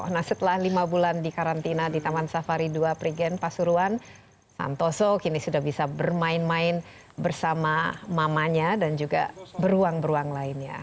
nah setelah lima bulan di karantina di taman safari dua prigen pasuruan santoso kini sudah bisa bermain main bersama mamanya dan juga beruang beruang lainnya